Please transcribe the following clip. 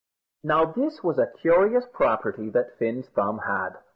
Now this was a curious property that Fin's thumb had.